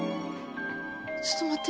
ちょっとまって。